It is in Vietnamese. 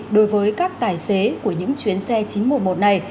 đối với các tài xế của những chuyến xe chín trăm một mươi một này